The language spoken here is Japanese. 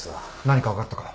何か分かったか？